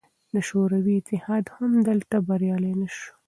شوروي اتحاد هم دلته بریالی نه شو.